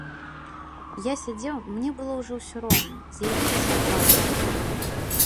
Я сядзеў, мне было ўжо ўсё роўна, з'явілася апатыя.